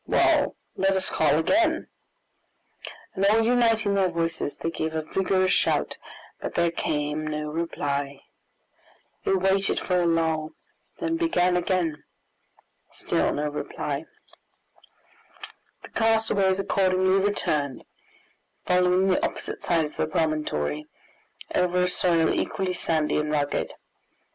"Well, let us call again," and all uniting their voices, they gave a vigorous shout, but there came no reply. They waited for a lull, then began again; still no reply. The castaways accordingly returned, following the opposite side of the promontory, over a soil equally sandy and rugged.